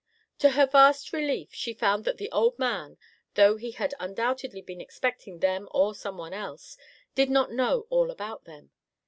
To her vast relief she found that the old man, though he had undoubtedly been expecting them or someone else, did not know all about them.